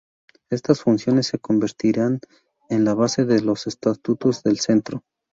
Estas funciones se convertirían en la base de los estatutos del Centro.